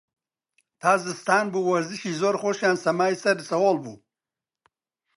تا زستان بوو، وەرزشی زۆر خۆشیان سەمای سەر سەهۆڵ بوو